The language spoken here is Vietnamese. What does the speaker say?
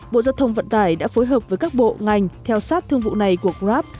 bộ giao thông vận tải đã phối hợp với các bộ ngành theo sát thương vụ này của grab